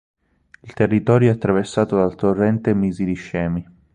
Il territorio è attraversato dal torrente Misiliscemi.